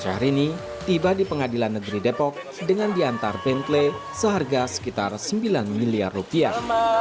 syahrini tiba di pengadilan negeri depok dengan diantar bentle seharga sekitar sembilan miliar rupiah